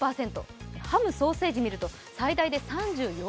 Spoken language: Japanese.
ハム・ソーセージを見ると最大で３４％。